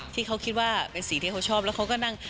ที่เขาคิดว่าเป็นสิ่งที่เขาชอบแล้วเขาก็นั่ง